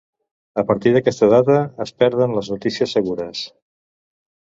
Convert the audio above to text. A partir d'aquesta data es perden les notícies segures.